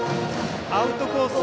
アウトコース